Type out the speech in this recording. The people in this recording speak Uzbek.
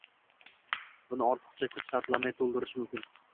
Buni ortiqsa kuch sarflamay to'ldirishi mumkin.